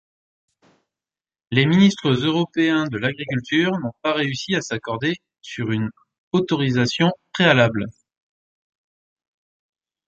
Les ministres européens de l'Agriculture n'ont pas réussi à s'accorder sur une autorisation préalable.